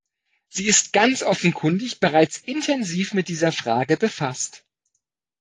Sie ist ganz offenkundig bereits intensiv mit dieser Frage befasst.